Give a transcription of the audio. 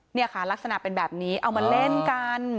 เนี่ยค่ะลักษณะเป็นแบบนี้เอามาเล่นกัน